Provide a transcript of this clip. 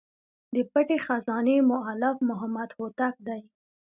د پټي خزانې مؤلف محمد هوتک دﺉ.